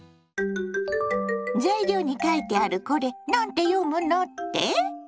材料に書いてあるこれ何て読むのって？